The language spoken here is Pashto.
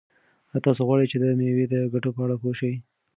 آیا تاسو غواړئ چې د مېوو د ګټو په اړه پوه شئ؟